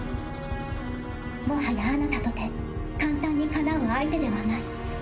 もはやあなたとて簡単にかなう相手ではない。